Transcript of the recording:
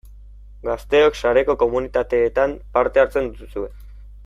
Gazteok sareko komunitateetan parte hartzen duzue.